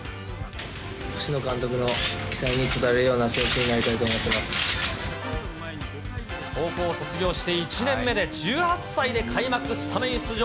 星野監督の期待に応えられるような選手になりたいと思ってお高校卒業して１年目で１８歳で開幕スタメン出場。